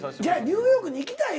「ニューヨークに行きたい」